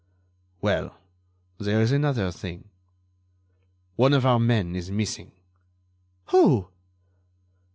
"Well, there is another thing. One of our men is missing." "Who?"